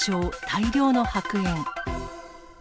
大量の白煙。